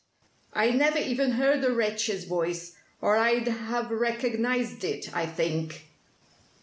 I never even heard the wretch's voice or I'd have recognized it, I think.